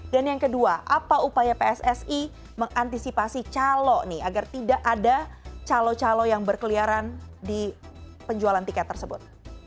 dan yang kedua apa upaya pssi mengantisipasi calo agar tidak ada calo calo yang berkeliaran di penjualan tiket tersebut